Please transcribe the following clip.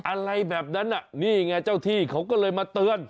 อะไรแบบนั้นน่ะนี่ไงเจ้าที่เขาก็เลยมาเตือน